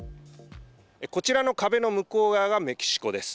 こちらの壁の向こう側がメキシコです。